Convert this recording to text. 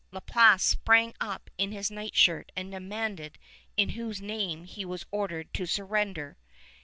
La Place sprang up in his nightshirt and demanded in whose name he was ordered to surrender.